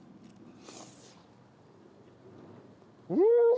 うん！